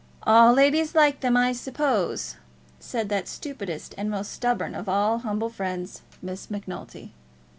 "All ladies like them, I suppose," said that stupidest and most stubborn of all humble friends, Miss Macnulty.